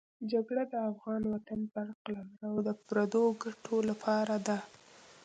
جګړه د افغان وطن پر قلمرو د پردو ګټو لپاره ده.